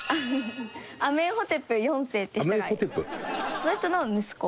その人の息子。